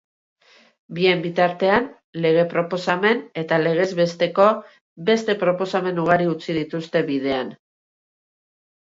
Bien bitartean, lege-proposamen eta legez besteko beste proposamen ugari utzi dituzte bidean.